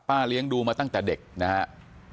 เลี้ยงดูมาตั้งแต่เด็กนะครับ